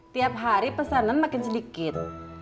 tiap hari pesanan makin sedikit